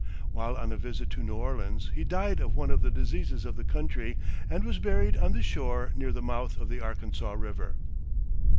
While on a visit to New Orleans he died of one of the diseases of the country, and was buried on the shore near the mouth of the Arkansas River.